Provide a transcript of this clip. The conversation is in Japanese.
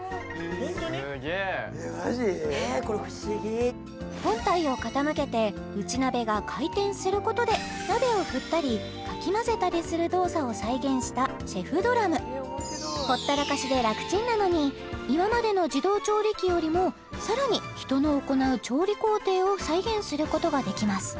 えっこれ不思議本体を傾けて内鍋が回転することで鍋を振ったりかき混ぜたりする動作を再現したＣＨＥＦＤＲＵＭほったらかしで楽ちんなのに今までの自動調理器よりもさらに人の行う調理工程を再現することができます